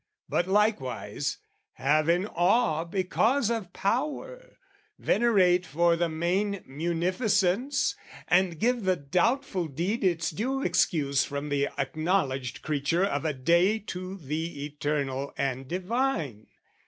"But likewise have in awe because of power, "Venerate for the main munificence, "And give the doubtful deed its due excuse "From the acknowledged creature of a day "To the Eternal and Divine.